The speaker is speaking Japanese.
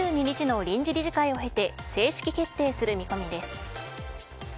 ２２日の臨時理事会を経て正式決定する見込みです。